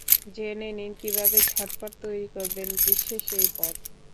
জেনে নিন কীভাবে ঝটপট তৈরি করবেন বিশেষ এই পদ।